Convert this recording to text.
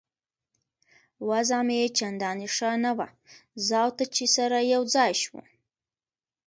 وضع مې چندانې ښه نه وه، زه او ته چې سره یو ځای شوو.